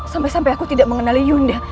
sampai sampai aku tidak mengenali yunda